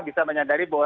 bisa menyadari bahwa